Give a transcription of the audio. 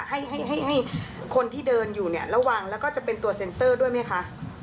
ให้ให้คนที่เดินอยู่เนี่ยระวังแล้วก็จะเป็นตัวเซ็นเซอร์ด้วยไหมคะ